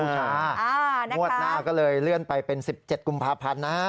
งวดหน้าก็เลยเลื่อนไปเป็น๑๗กุมภาพันธ์นะฮะ